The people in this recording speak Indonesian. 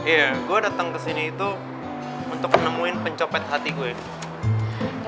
iya gue datang ke sini itu untuk nemuin pencopet hatiku ya